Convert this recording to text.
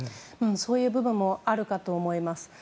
そういう部分もあるかと思います。